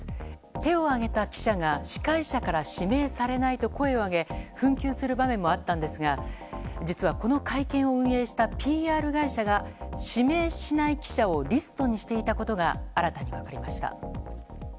手を挙げた記者が司会者から指名されないと声を上げ紛糾する場面もあったんですが実はこの会見を運営したＰＲ会社が、指名しない記者をリストにしていたことが新たに分かりました。